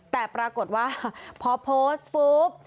แต่ปรากฏว่าพอโพสต์ปุ๊บ